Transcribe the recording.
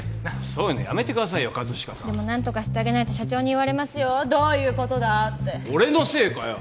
そういうのやめてくださいよ葛飾さんでも何とかしてあげないと社長に言われますよどういうことだって俺のせいかよ